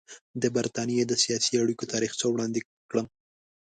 د برټانیې د سیاسي اړیکو تاریخچه وړاندې کړم.